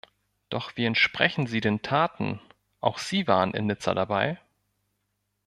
Doch wie entsprechen sie den Taten auch Sie waren in Nizza dabei?